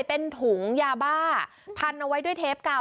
เป็นถุงยาบ้าพันเอาไว้ด้วยเทปกาว